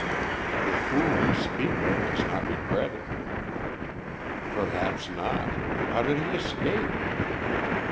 "The fool you speak of does not regret it." "Perhaps not. How did he escape?"